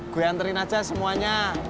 gue anterin aja semuanya